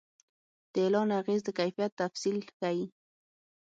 د اعلان اغېز د کیفیت تفصیل ښيي.